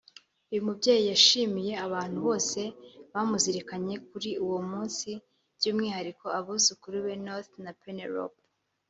uyu mubyeyi yashimiye abantu bose bamuzirikanye kuri uwo munsi by’umwihariko abuzukuru be North na Penelope